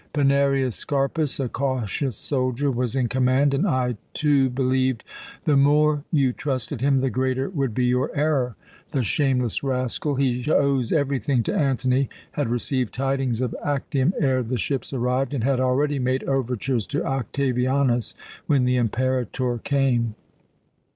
"Pinarius Scarpus, a cautious soldier, was in command; and I, too, believed " "The more you trusted him, the greater would be your error. The shameless rascal he owes everything to Antony had received tidings of Actium ere the ships arrived, and had already made overtures to Octavianus when the Imperator came.